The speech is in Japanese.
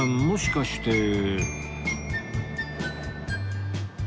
もしかして